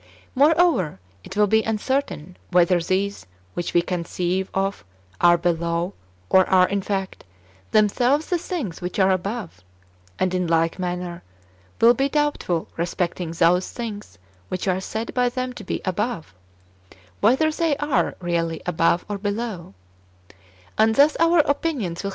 More over, it will be uncertain whether these which we conceive of are below, or are, in fact, themselves the things which are above ; and, in like manner, [It will be doubtful] respecting those things which are said by them to be above, whether tliey are really above or below ; and thus our opinions will 120 IRENJEUS AGAINST HERESIES. [Book ii.